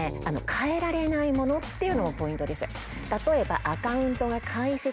変えられないものっていうのもポイントです。